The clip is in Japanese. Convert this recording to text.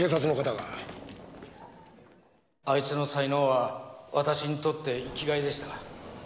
あいつの才能は私にとって生きがいでした。